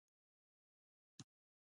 د سر درد د میګرین لپاره کومه خونه وکاروم؟